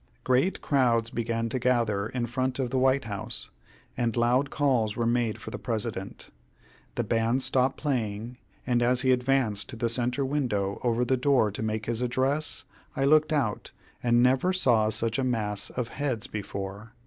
Great crowds began to gather in front of the White House, and loud calls were made for the President. The band stopped playing, and as he advanced to the centre window over the door to make his address, I looked out, and never saw such a mass of heads before.